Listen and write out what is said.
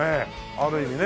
ある意味ね。